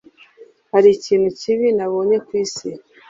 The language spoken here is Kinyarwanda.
hari ikintu kibi nabonye ku isi